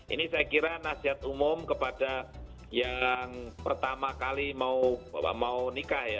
ini saya kira nasihat umum kepada yang pertama kali mau nikah ya